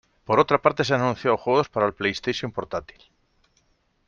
Por otra parte, se han anunciado juegos para la PlayStation Portátil.